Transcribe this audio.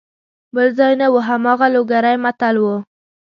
بل ځای نه وو هماغه لوګری متل وو.